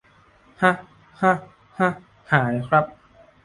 หะหะหะหายครับ